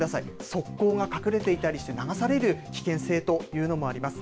側溝が隠れていたりして、流される危険性というのもあります。